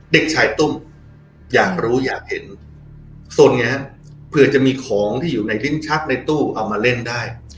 เด็กชายตุ้มอยากรู้อยากเห็นสนไงฮะเผื่อจะมีของที่อยู่ในลิ้นชักในตู้เอามาเล่นได้